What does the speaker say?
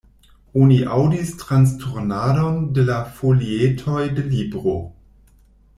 Oni aŭdis transturnadon de la folietoj de libro.